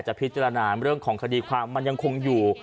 พิจารณาเรื่องของคดีความมันยังคงอยู่